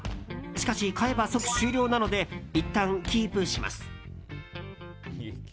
しかし、買えば即終了なのでいったん、キープします。